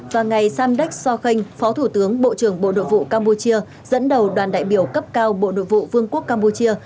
và ngài samdech so khanh phó thủ tướng bộ trưởng bộ nội vụ campuchia dẫn đầu đoàn đại biểu cấp cao bộ nội vụ vương quốc campuchia